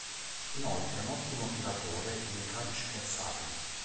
Inoltre è un ottimo tiratore dei calci piazzati.